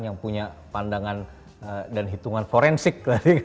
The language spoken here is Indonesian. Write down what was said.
yang punya pandangan dan hitungan forensik